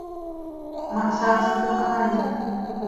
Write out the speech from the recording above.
¿Ma hsaaspoj haaya?